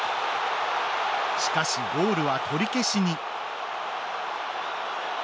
しかし、ゴールは取り消しに。